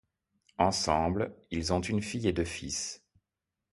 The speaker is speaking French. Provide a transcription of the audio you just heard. Ensemble, ils ont une fille et deux fils.